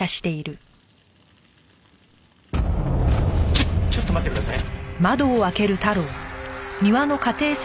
ちょっちょっと待ってください。